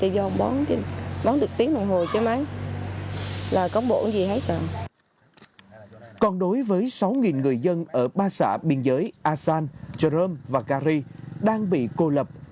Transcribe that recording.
với sáu người dân ở ba xã biên giới assan jerome và gary đang bị cô lập